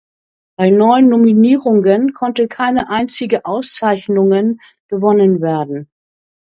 Bei neun Nominierungen konnte keine einzige Auszeichnungen gewonnen werden.